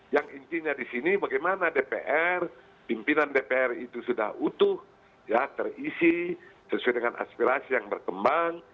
yang intinya di sini bagaimana dpr pimpinan dpr itu sudah utuh terisi sesuai dengan aspirasi yang berkembang